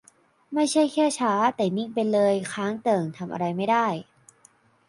ไม่ใช่แค่ช้า แต่นิ่งไปเลย ค้างเติ่ง ทำอะไรไม่ได้